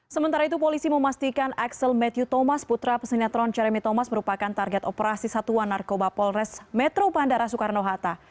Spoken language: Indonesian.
sementara itu polisi memastikan axel matthew thomas putra pesinetron ceremi thomas merupakan target operasi satuan narkoba polres metro bandara soekarno hatta